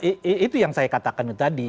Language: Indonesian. ya itu yang saya katakan tadi